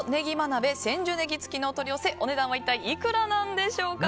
鍋千住ねぎ付のお取り寄せお値段は一体いくらなんでしょうか。